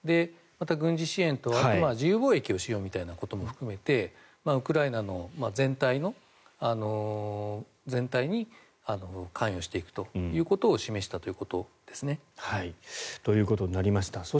また、軍事支援とあとは自由貿易をしようということも含めてウクライナの全体に関与していくということを示したということですね。ということになりました。